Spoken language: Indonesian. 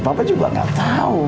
papa juga gak tau